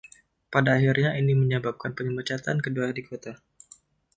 Pada akhirnya ini menyebabkan pemecatan kedua di kota.